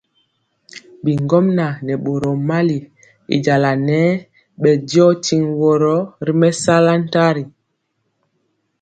Bi ŋgomnaŋ nɛ boro mali, y jala nɛɛ bɛ diɔ tiŋg woro ri mɛsala ntira.